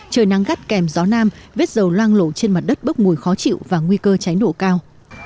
trời nắng gắt kèm gió nam vết dầu loang lộ trên mặt đất bốc mùi khó chịu và nguy cơ cháy nổ cao